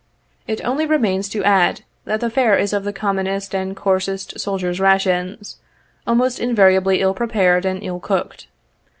It only remains to add, that the fare is of the commonest and coarsest soldiers' rations, almost invariably ill prepared and ill cooked.